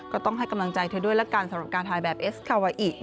ก็ต้องให้กำลังใจเธอด้วยละกันสำหรับการถ่ายแบบเอสคาวาอิ